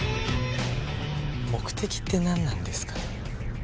目的って何なんですか？